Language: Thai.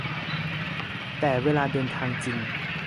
แต่เวลาเดินทางจริง